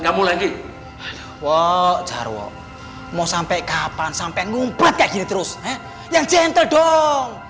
kamu lagi wak jarwo mau sampai kapan sampean ngumpet kayak gini terus yang gentle dong